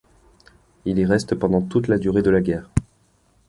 Il y reste pendant toute la durée de la guerre.